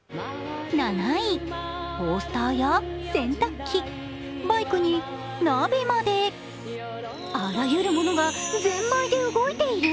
トースターや洗濯機、バイクに鍋まであらゆるものがぜんまいで動いている？